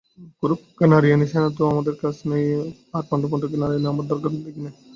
কুরুপক্ষে নারায়ণী সেনাতেও আমার কাজ নেই, আর পাণ্ডবপক্ষে নারায়ণেও আমার দরকার দেখি নে।